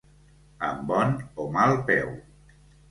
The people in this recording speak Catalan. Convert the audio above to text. Amb bon o mal peu.